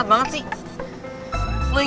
tantangin lu ya